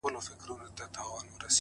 ه زه د دوو مئينو زړو بړاس يمه!